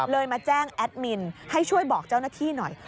มาแจ้งแอดมินให้ช่วยบอกเจ้าหน้าที่หน่อย